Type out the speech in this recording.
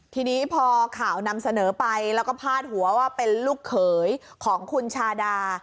ทีนี้พอข่าวนำเสนอไปแล้วก็พาดหัวว่าเป็นลูกเขยของคุณชาดา